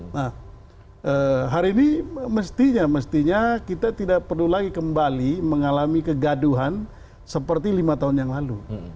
nah hari ini mestinya mestinya kita tidak perlu lagi kembali mengalami kegaduhan seperti lima tahun yang lalu